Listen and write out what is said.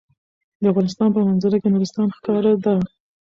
د افغانستان په منظره کې نورستان ښکاره ده.